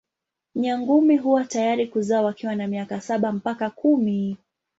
Nyangumi huwa tayari kuzaa wakiwa na miaka saba mpaka kumi.